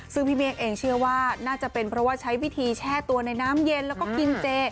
ซึ่งพี่เมฆเองเชื่อว่าน่าจะเป็นเพราะว่าใช้วิธีแช่ตัวในน้ำเย็นแล้วก็กินเจ